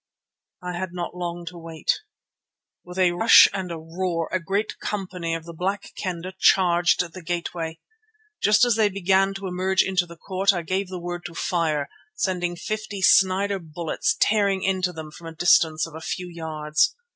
I had not long to wait. With a rush and a roar a great company of the Black Kendah charged the gateway. Just as they began to emerge into the court I gave the word to fire, sending fifty Snider bullets tearing into them from a distance of a few yards.